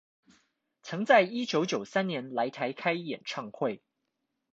曾在一九九三年來台開演唱會